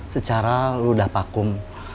secara lo udah pakum